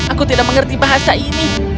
aku tidak mengerti bahasa ini